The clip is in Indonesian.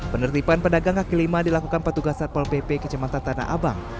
penertiban pedagang kaki lima dilakukan petugas satpol pp kecematan tanah abang